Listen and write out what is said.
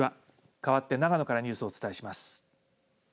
かわって長野からニュースをお伝えします。